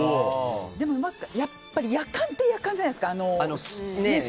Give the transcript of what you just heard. でも、やっぱりやかんってやかんじゃないですか。